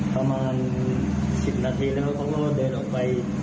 ประมาณ๑๐นาทีแล้วเขาก็เดินออกไป